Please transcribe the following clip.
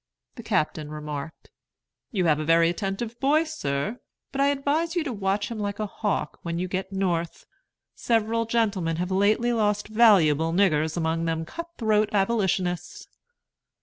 The captain remarked, "You have a very attentive boy, sir; but I advise you to watch him like a hawk when you get North. Several gentlemen have lately lost valuable niggers among them cut throat Abolitionists."